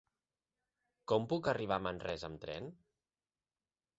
Com puc arribar a Manresa amb tren?